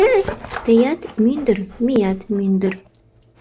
Теят мӱндыр, меят мӱндыр